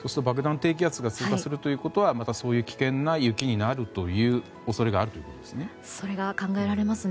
低気圧が通過するということはまたそういう危険な雪になる恐れがあるということですね。